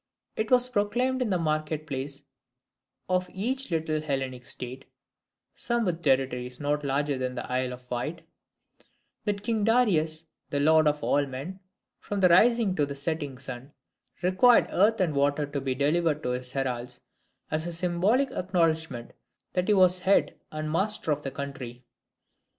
It was proclaimed in the market place of each little Hellenic state (some with territories not larger than the Isle of Wight), that King Darius, the lord of all men, from the rising to the setting sun, required earth and water to be delivered to his heralds, as a symbolical acknowledgment that he was head and master of the country.